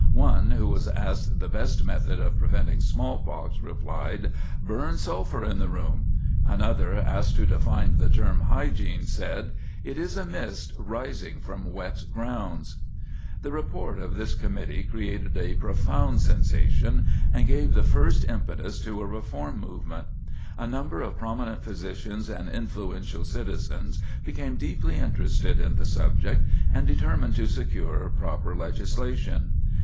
One, who was asked the best method of preventing smallpox, replied: "Burn sulphur in the room." Another, asked to define the term "hygiene," said: "It is a mist rising from wet grounds." [Sidenote: Reform Movement Born] The report of this committee created a profound sensation and gave the first impetus to a reform movement. A number of prominent physicians and influential citizens became deeply interested in the subject and determined to secure proper legislation.